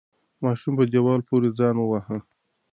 ماشوم په دیوال پورې ځان وواهه.